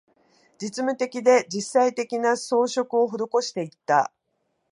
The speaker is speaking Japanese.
実務的で、実際的な、装飾を施していった